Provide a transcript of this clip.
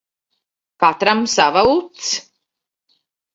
Katram sava uts.